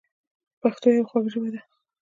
پښتو یوه خوږه ژبه ده.